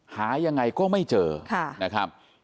หายังไงก็ไม่เจอนะครับ